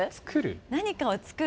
何かを作る？